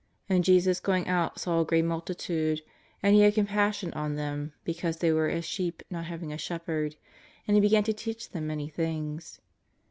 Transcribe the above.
And Jesus going out saw a great multitude, and He had compassion on them because they were as sheep not having a shepherd, and He began to teach them many things."